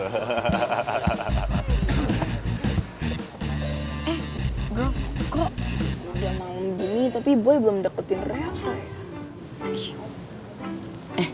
eh girls kok lo udah malu gini tapi boy belum deketin rea shay